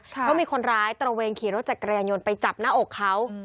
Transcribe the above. เพราะมีคนร้ายตระเวนขี่รถจักรยานยนต์ไปจับหน้าอกเขา